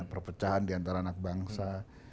perpecahan diantara anak bangsa